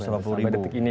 sampai detik ini ya